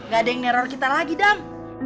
gading neror kita lagi dam